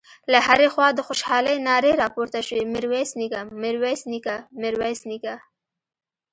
له هرې خوا د خوشالۍ نارې راپورته شوې: ميرويس نيکه، ميرويس نيکه، ميرويس نيکه….